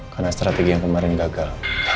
karena strategi yang kemarin gagal